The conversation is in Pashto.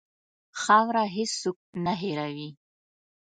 خاوره هېڅ څوک نه هېروي.